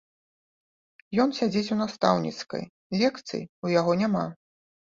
Ён сядзіць у настаўніцкай, лекцый у яго няма.